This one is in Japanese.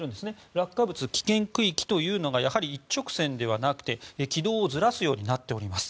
落下物危険区域というのがやはり一直線ではなく、軌道をずらすようになっています。